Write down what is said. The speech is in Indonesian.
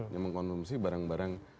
yang mengkonsumsi barang barang